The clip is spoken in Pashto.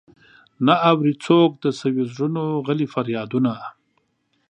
نه اوري څوک د سويو زړونو غلي فريادونه.